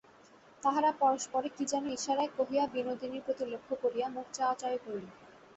তাহারা পরস্পরে কী যেন ইশারায় কহিয়া বিনোদিনীর প্রতি লক্ষ করিয়া মুখ চাওয়া-চাওয়ি করিল।